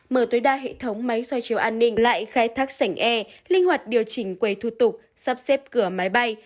mở tối đa hệ thống máy soi chiếu an ninh lại khai thác sảnh e linh hoạt điều chỉnh quầy thu tục sắp xếp cửa máy bay